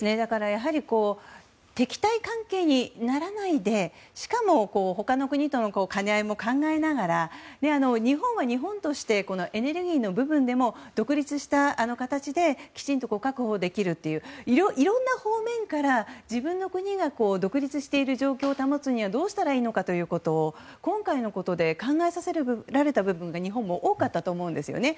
やはり敵対関係にならないでしかも、他の国との兼ね合いも考えながら日本は日本としてエネルギーの部分でも独立した形できちんと確保できるといういろんな方面から自分の国が独立している状況を保つにはどうしたらいいのかということを今回のことで考えさせられた部分も日本も多かったと思うんですね。